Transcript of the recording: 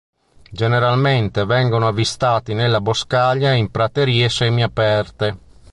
Generalmente vengono avvistati nella boscaglia e in praterie semi-aperte.